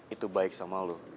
itu baik sama lo